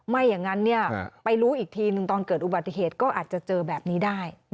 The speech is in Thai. ไม่อย่างนั้นไปรู้อีกทีหนึ่งตอนเกิดอุบัติเหตุก็อาจจะเจอแบบนี้ได้